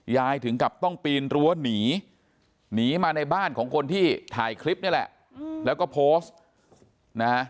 ถึงกับต้องปีนรั้วหนีหนีมาในบ้านของคนที่ถ่ายคลิปนี่แหละแล้วก็โพสต์นะฮะ